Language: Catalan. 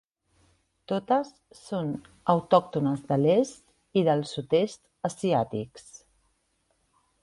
Totes són autòctones de l'est i del sud-est asiàtics.